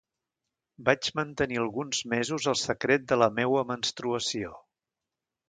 Vaig mantenir alguns mesos el secret de la meua menstruació.